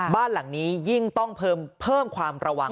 บ้านหลังนี้ยิ่งต้องเพิ่มความระวัง